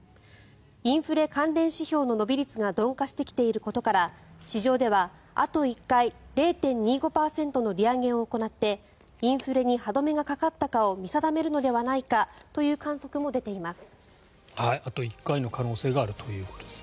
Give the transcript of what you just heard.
インフレ関連指標の伸び率が鈍化してきていることから市場では、あと１回０．２５％の利上げを行ってインフレに歯止めがかかったかを見定めるのではないかという観測も出ています。